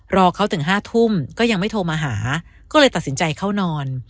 รอเขาถึง๕ทุ่มก็ยังไม่โทรมาหาก็เลยตัดสินใจเข้านอน